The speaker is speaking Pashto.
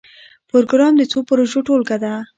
پروګرام د څو پروژو ټولګه ده